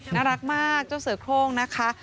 น่ารักมากเจ้าเสือโครงนะคะ